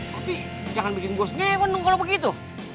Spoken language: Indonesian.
tapi jangan bikin gue snyewen kalau begitu